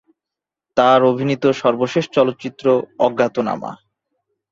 তার অভিনীত সর্বশেষ চলচ্চিত্র "অজ্ঞাতনামা"।